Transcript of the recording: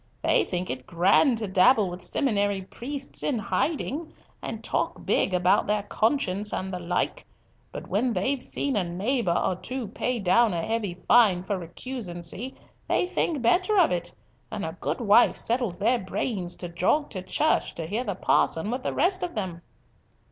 They think it grand to dabble with seminary priests in hiding, and talk big about their conscience and the like, but when they've seen a neighbour or two pay down a heavy fine for recusancy, they think better of it, and a good wife settles their brains to jog to church to hear the parson with the rest of them."